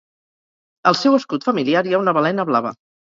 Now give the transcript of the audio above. Al seu escut familiar hi ha una balena blava.